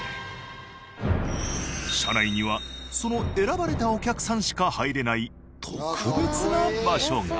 社内にはその選ばれたお客さんしか入れない特別な場所が。